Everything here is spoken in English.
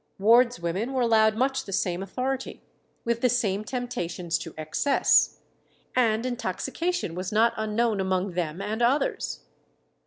Wards women were allowed much the same authority, with the same temptations to excess, and intoxication was not unknown among them and others.